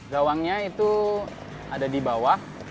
gawangnya itu ada di bawah